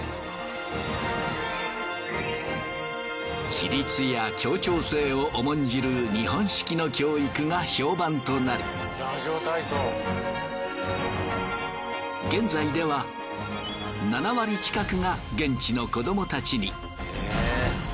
規律や協調性を重んじる日本式の教育が評判となり現在では７割近くが現地の子どもたちに。